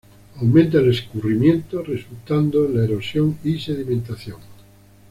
Aumenta el escurrimiento, resultando en la erosión y sedimentación.